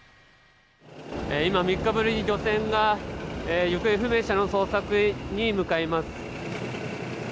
今、３日ぶりに漁船が行方不明者の捜索に向かいます。